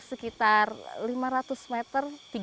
sekitar lima ratus meter